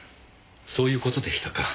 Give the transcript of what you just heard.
そういう事でしたか。